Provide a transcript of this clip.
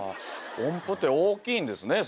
音符って大きいんですね。